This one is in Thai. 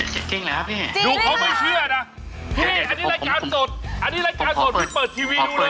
เจ๋งแล้วครับพี่